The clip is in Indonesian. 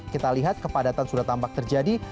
kita lihat kepadatan sudah tampak terjadi